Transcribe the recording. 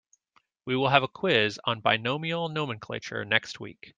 We will have a quiz on binomial nomenclature next week.